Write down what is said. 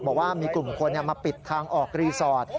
บอกว่ามีกลุ่มคนมาปิดทางออกรีสอร์ท